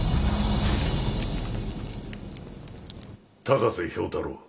高瀬俵太郎。